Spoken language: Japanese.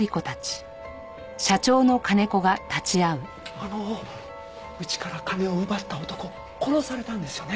あのうちから金を奪った男殺されたんですよね？